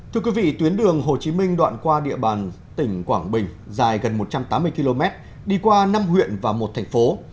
thưa quý vị tuyến đường hồ chí minh đoạn qua địa bàn tỉnh quảng bình dài gần một trăm tám mươi km đi qua năm huyện và một thành phố